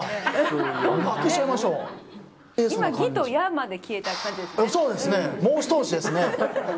今ギとヤまで消えた感じですね。